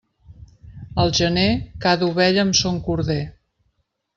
Al gener, cada ovella amb son corder.